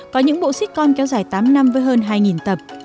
có những bộ sitcom kéo dài tám năm với hơn hai tập